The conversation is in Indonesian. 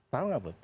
tahu nggak bu